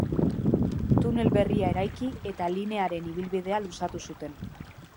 Tunel berria eraiki, eta linearen ibilbidea luzatu zuten.